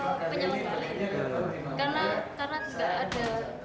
mungkin kemarin baru tahu juga setelah lihat berita kalau ada jawabannya yang datang